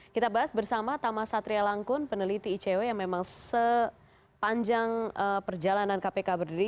kita bahas bersama tama satria langkun peneliti icw yang memang sepanjang perjalanan kpk berdiri